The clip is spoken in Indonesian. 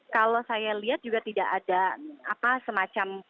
kalau saya lihat juga tidak ada semacam